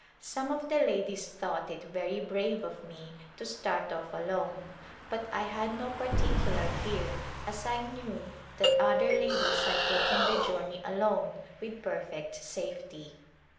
Some of the ladies thought it very brave of me to start off alone but I had no particular fear as I knew that other ladies had taken the journey alone with perfect safety.